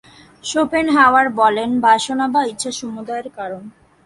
Schopenhauer বলেন, বাসনা বা ইচ্ছা সমুদয়ের কারণ।